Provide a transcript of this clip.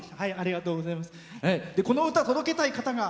この歌、届けたい方が？